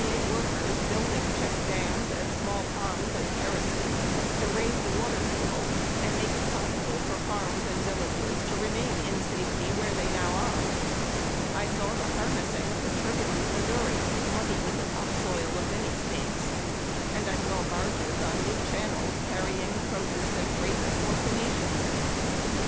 A. workers building check dams and small ponds and terraces to raise the water table and make it possible for farms and villages to remain in safety where they now are. I saw the harnessing of the turbulent Missouri, muddy with the topsoil of many states. And I saw barges on new channels carrying produce and freight athwart the nation.